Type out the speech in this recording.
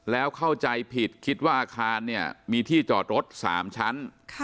แล้วเข้าใจผิดคิดว่าอาคารเนี่ยมีที่จอดรถ๓ชั้น